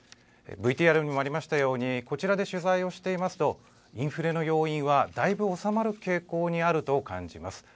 ＶＴＲにもありましたように、こちらで取材をしていますと、インフレの要因はだいぶ収まる傾向にあると感じます。